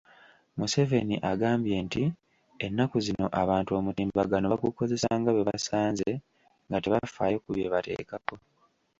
Museveni agambye nti ennaku zino abantu omutimbagano bagukozesa nga bwe basanze nga tebafaayo ku bye bateekako.